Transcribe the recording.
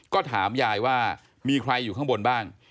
ก็ถามยายว่ามีใครอยู่ข้างบนบ้าง